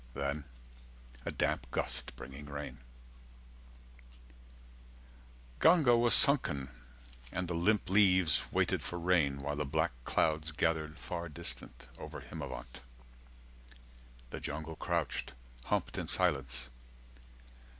Then a damp gust Bringing rain Ganga was sunken, and the limp leaves Waited for rain, while the black clouds Gathered far distant, over Himavant. The jungle crouched, humped in silence.